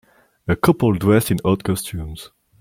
A couple dressed in odd costumes.